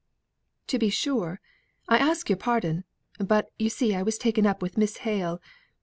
"To be sure; I ask your pardon; but you see I was taken up with Miss Hale.